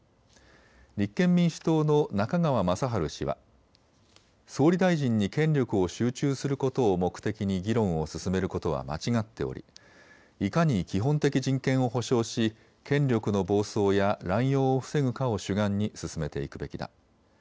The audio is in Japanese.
立憲民主党の中川正春氏は総理大臣に権力を集中することを目的に議論を進めることは間違っており、いかに基本的人権を保障し権力の暴走や乱用を防ぐかを主眼に進めていくべきだ。